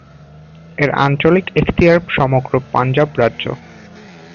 এর আঞ্চলিক এখতিয়ার সমগ্র পাঞ্জাব রাজ্য।